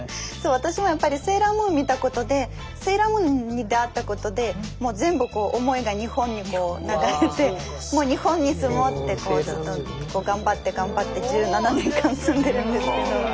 私もやっぱり「セーラームーン」見たことで「セーラームーン」に出会ったことでもう全部思いが日本に流れてもう日本に住もうってこうずっと頑張って頑張って１７年間住んでるんですけど。